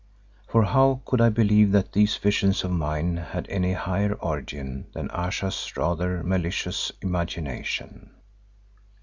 For how could I believe that these visions of mine had any higher origin than Ayesha's rather malicious imagination?